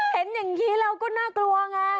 เห็นอย่างนี้เราก็น่ากลัวไง